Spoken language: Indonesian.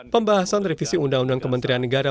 pembahasan revisi undang undang kementerian negara